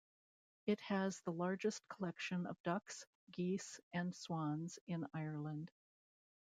It has the largest collection of ducks, geese and swans in Ireland.